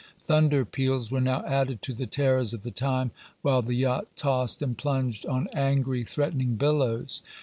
Thunder peals were now added to the terrors of the time, while the yacht tossed and plunged on angry, threatening billows.